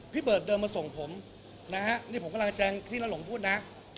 เบิร์ดเดินมาส่งผมนะฮะนี่ผมกำลังแจงที่ละหลงพูดนะ